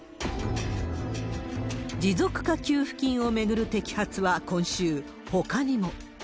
持続化給付金を巡る摘発は今週、ほかにも。